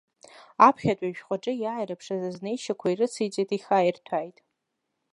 Аԥхьатәи ишәҟәаҿы иааирԥшыз азнеишьақәа ирыциҵеит, ихаирҭәааит.